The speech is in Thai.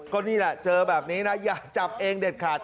ก็นี่แหละเจอแบบนี้นะอย่าจับเองเด็ดขาด